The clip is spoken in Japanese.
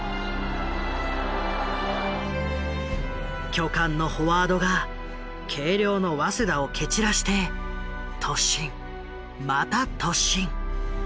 巨漢のフォワードが軽量の早稲田を蹴散らして突進また突進。